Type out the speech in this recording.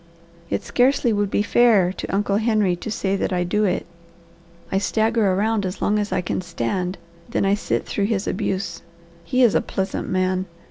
It scarcely would be fair to Uncle Henry to say that I do it. I stagger around as long as I can stand, then I sit through his abuse. He is a pleasant man.